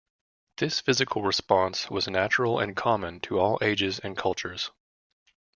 This physical response was natural and common to all ages and cultures.